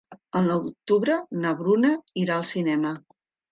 El nou d'octubre na Bruna irà al cinema.